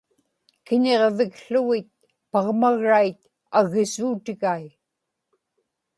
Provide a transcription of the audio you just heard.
kiñiġvikł̣ugit pagmagrait aggisuutigai